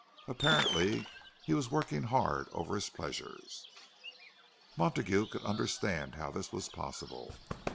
Apparently he was working hard over his pleasures. Montague could understand how this was possible.